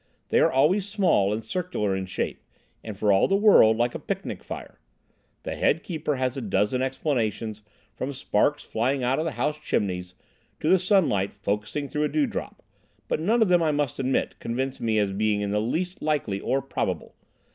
They are always small and circular in shape, and for all the world like a picnic fire. The head keeper has a dozen explanations, from sparks flying out of the house chimneys to the sunlight focusing through a dewdrop, but none of them, I must admit, convince me as being in the least likely or probable.